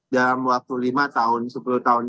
dalam waktu lima tahun sepuluh tahun